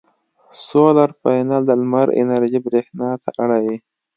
سولر پینل د لمر انرژي برېښنا ته اړوي.